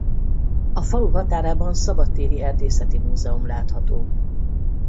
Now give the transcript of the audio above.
A falu határában szabadtéri erdészeti múzeum látható.